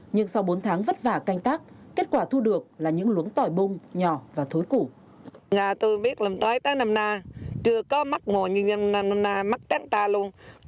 nhưng sau bốn tháng vất vả canh tác kết quả thu được là những luống tỏi bung nhỏ và thối củ